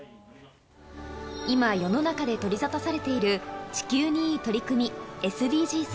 今、世の中で取り沙汰されている地球にいい取り組み、ＳＤＧｓ。